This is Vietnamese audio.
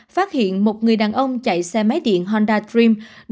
phát hiện một người đàn ông chạy xe máy điện honda dtream